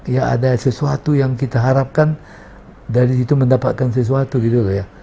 ya ada sesuatu yang kita harapkan dari situ mendapatkan sesuatu gitu loh ya